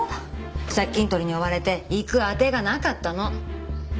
借金取りに追われて行く当てがなかったの。